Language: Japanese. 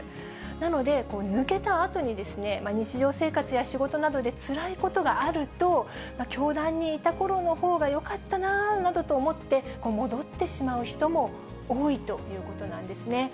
なので、抜けたあとに日常生活や仕事などでつらいことがあると、教団にいたころのほうがよかったななどと思って、戻ってしまう人も多いということなんですね。